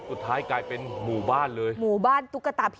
สุดท้ายกลายเป็นหมู่บ้านเลยหมู่บ้านตุ๊กตาผี